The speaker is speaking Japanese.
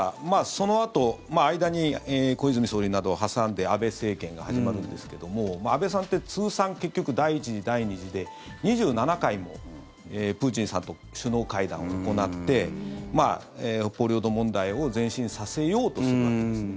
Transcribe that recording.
そのあと間に小泉総理などを挟んで安倍政権が始まるんですが安倍さんって通算結局第１次、第２次で２７回もプーチンさんと首脳会談を行って北方領土問題を前進させようとするわけですね。